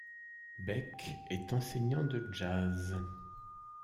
Beck est enseignant de jazz.